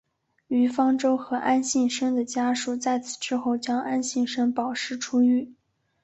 于方舟和安幸生的家属在此之后将安幸生保释出狱。